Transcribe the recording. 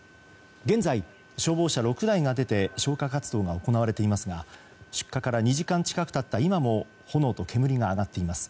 現在、消防車６台が出て消火活動が行われていますが出火から２時間近く経った今も炎と煙が上がっています。